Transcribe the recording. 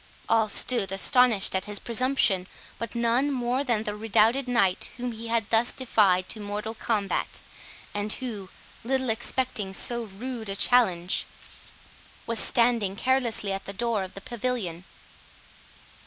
All stood astonished at his presumption, but none more than the redoubted Knight whom he had thus defied to mortal combat, and who, little expecting so rude a challenge, was standing carelessly at the door of the pavilion.